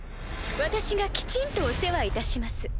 私がきちんとお世話いたします。